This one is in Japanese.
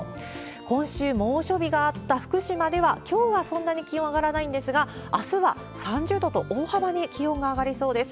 今週、猛暑日があった福島では、きょうはそんなに気温上がらないんですが、あすは３０度と大幅に気温が上がりそうです。